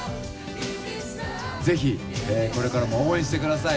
ぜひ、これからも応援してください。